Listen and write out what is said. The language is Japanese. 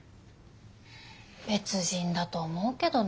別人だと思うけどな。